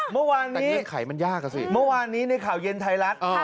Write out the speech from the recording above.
แต่นี่ไขมันยากสิเมื่อวานนี้ในข่าวเย็นไทยลักษณ์